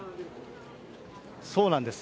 そうなんです。